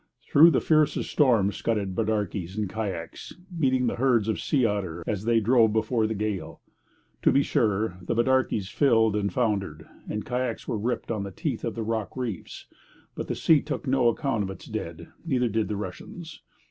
Through the fiercest storm scudded bidarkies and kayaks, meeting the herds of sea otter as they drove before the gale. To be sure, the bidarkies filled and foundered; the kayaks were ripped on the teeth of the rock reefs. But the sea took no account of its dead; neither did the Russians.